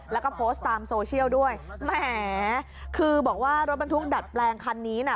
แล้วก็โพสต์ตามโซเชียลด้วยแหมคือบอกว่ารถบรรทุกดัดแปลงคันนี้น่ะ